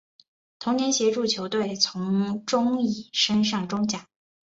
同年协助球队从中乙升上中甲。